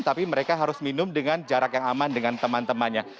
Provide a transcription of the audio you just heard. tapi mereka harus minum dengan jarak yang aman dengan teman temannya